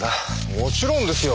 もちろんですよ。